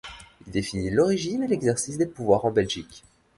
Il définit l'origine et l'exercice des pouvoirs en Belgique.